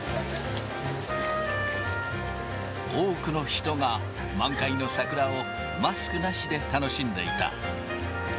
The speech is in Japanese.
多くの人が満開の桜を、マスクなしで楽しんでいた。